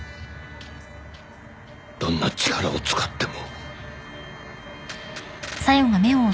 どんな力を使っても。